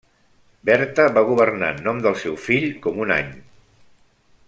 Berta va governar en nom del seu fill com un any.